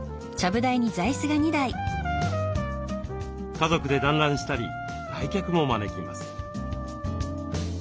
家族で団らんしたり来客も招きます。